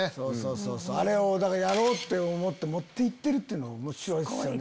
あれをやろうって思って持って行ってるのがおもしろいですよね。